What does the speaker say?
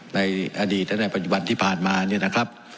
ในอดีตและในปัจจุบันที่ผ่านมาเนี่ยนะครับ